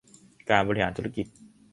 การบริหารธุรกิจ